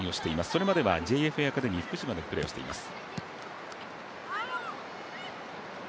それまではＪＦＡアカデミー福島でプレーをしています。